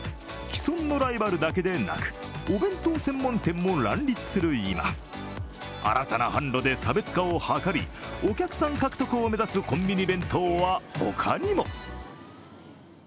既存のライバルだけでなくお弁当専門店も乱立する今、新たな販路で差別化を図り、お客さん獲得を目指すコンビニ弁当は他にも。